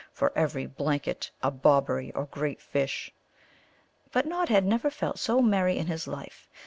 "For every blanket a Bobberie or great fish." But Nod had never felt so merry in his life.